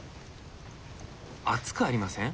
暑くありません？